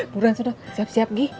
buruan sudah siap siap gih